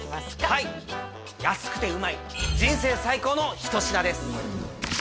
はい安くてうまい人生最高の一品です